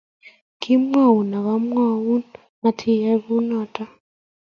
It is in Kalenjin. Kamwaun ak amwaun matiyai kou notok